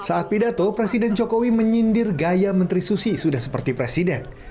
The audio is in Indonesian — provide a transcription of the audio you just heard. saat pidato presiden jokowi menyindir gaya menteri susi sudah seperti presiden